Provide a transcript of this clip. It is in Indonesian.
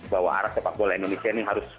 bahwa arah sepak bola indonesia ini harus